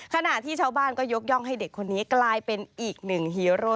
ขณะที่ชาวบ้านก็ยกย่องให้เด็กคนนี้กลายเป็นอีกหนึ่งฮีโร่